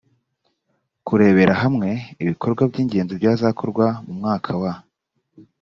kurebera hamwe ibikorwa by ingenzi byazakorwa mu mwaka wa